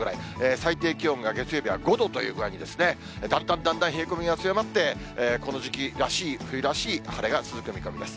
最低気温が月曜日は５度という具合に、だんだんだんだん冷え込みが強まって、この時期らしい、冬らしい晴れが続く見込みです。